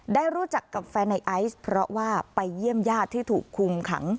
ได้รู้จักกับแฟนในไอซ์เพราะว่าไปเยี่ยมญาติที่ถูกคุมขัง